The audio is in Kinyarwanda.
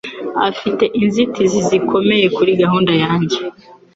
Afite inzitizi zikomeye kuri gahunda yanjye.